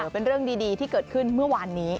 เป็นเรื่องดีที่เกิดขึ้นเมื่อวานนี้